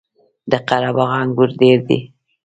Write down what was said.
د قره باغ انګور ډیر دي